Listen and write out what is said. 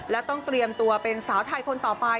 และต้องเตรียมตัวเป็นสาวไทยคนต่อไป